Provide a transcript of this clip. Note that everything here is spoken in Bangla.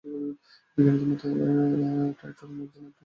বিজ্ঞানীদের মতে ট্রাইটন অভিযানের একটা অন্যতম লক্ষ্য।